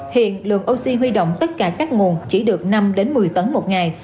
hiện lượng oxy huy động tất cả các nguồn chỉ được năm một mươi tấn một ngày